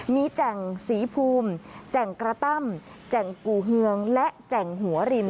มีแจ่งสีภูมิแจ่งกระตั้มแจ่งกูเฮืองและแจ่งหัวริน